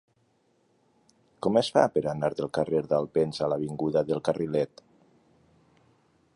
Com es fa per anar del carrer d'Alpens a l'avinguda del Carrilet?